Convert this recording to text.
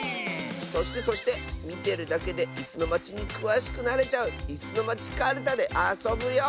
そしてそしてみてるだけで「いすのまち」にくわしくなれちゃう「いすのまちカルタ」であそぶよ！